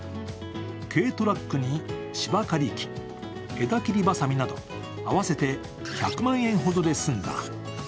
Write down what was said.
軽トラックに、芝刈り機、枝切りばさみなど、合わせて１００万円ほどで済んだ。